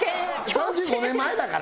３５年前だから。